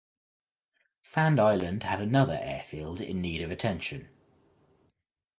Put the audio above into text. Sand Island had another airfield in need of attention.